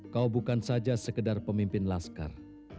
kau bukan saja sekedar pemimpin laskar